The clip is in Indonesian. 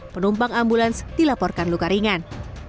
penumpang ambulans dilaporkan luka ringan